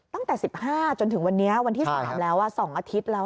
ตั้งแต่๑๕จนถึงวันนี้วันที่๓แล้ว๒อาทิตย์แล้ว